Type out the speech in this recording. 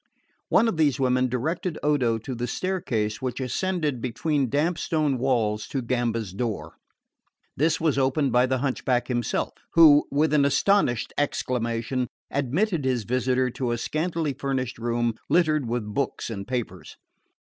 One of these women directed Odo to the staircase which ascended between damp stone walls to Gamba's door. This was opened by the hunchback himself, who, with an astonished exclamation, admitted his visitor to a scantily furnished room littered with books and papers.